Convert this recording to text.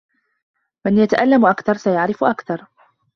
من يتألم أكثر سيعرف أكثر.